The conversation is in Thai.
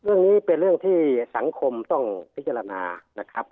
เรื่องนี้เป็นเรื่องที่สังคมต้องพิจารณานะครับ